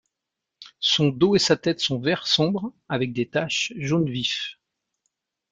Son dos et sa tête sont vert sombre avec des taches jaune vif.